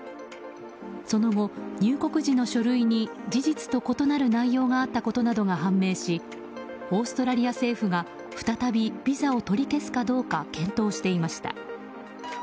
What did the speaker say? その後、入国時の書類に事実と異なる内容があったことが判明しオーストラリア政府が再びビザを取り消すかどうか検討していました。